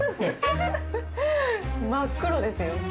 真っ黒ですよ。